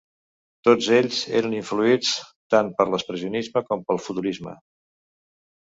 Tots ells eren influïts tant per l'expressionisme com pel futurisme.